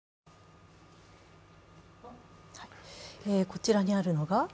こちらにあるのが。